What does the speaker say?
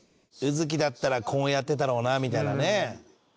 「卯月だったらこうやってたろうな」みたいなね。